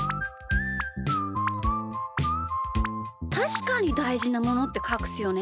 たしかにだいじなものってかくすよね。